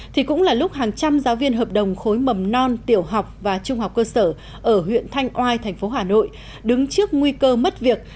thì cũng là lúc hàng trăm giáo viên hợp đồng khối mầm non tiểu học và trung học cơ sở ở huyện thanh oai thành phố hà nội đứng trước nguy cơ mất việc